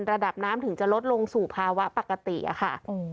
ระดับน้ำถึงจะลดลงสู่ภาวะปกติอะค่ะ